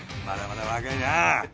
まだまだ若いな。